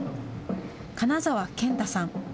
金澤健太さん。